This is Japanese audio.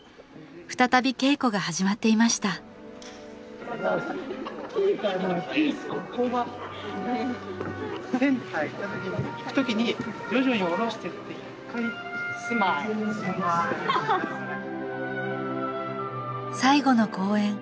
再び稽古が始まっていました最後の公演。